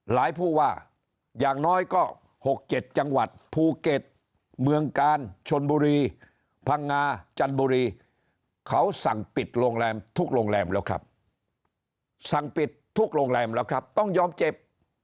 ผู้ว่าอย่างน้อยก็๖๗จังหวัดภูเก็ตเมืองกาลชนบุรีพังงาจันบุรีเขาสั่งปิดโรงแรมทุกโรงแรมแล้วครับสั่งปิดทุกโรงแรมแล้วครับต้องยอมเจ็บ